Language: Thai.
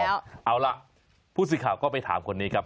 เอาล่ะผู้สื่อข่าวก็ไปถามคนนี้ครับ